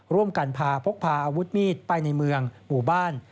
ร่วมกันพาพกพาอาวุธมีดไปในเมืองหมู่บ้าน